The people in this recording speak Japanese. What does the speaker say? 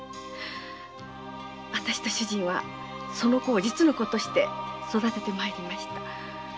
私と主人はその子を実の子として育ててまいりました。